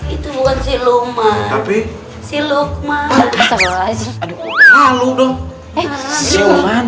itu bukan si luman